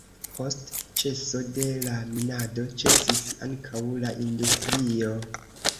Post ĉeso de la minado ĉesis ankaŭ la industrio.